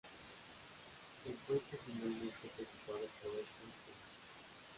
El puesto finalmente fue ocupado por Óscar Cuenca.